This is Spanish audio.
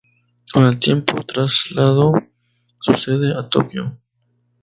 Con el tiempo, trasladó su sede a Tokio.